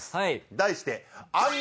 題して。